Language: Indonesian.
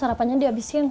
sarapannya di abisin